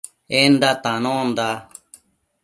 Enda tanonda